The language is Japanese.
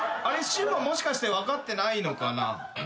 あれＳＨＵＮはもしかして分かってないのかな？